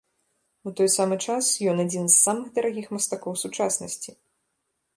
У той самы час ён адзін з самых дарагіх мастакоў сучаснасці.